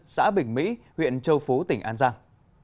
xã bình mỹ huyện châu phú tỉnh an giang